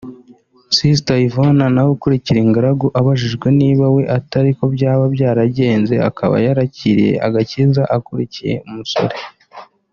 Sister Yvonne nawe ukiri ingaragu abajijwe niba we atari ko byaba byaragenze akaba yarakiriye agakiza akurikiye umusore